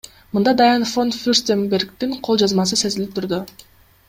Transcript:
Мында Дайан фон Фюрстенбергдин кол жазмасы сезилип турду.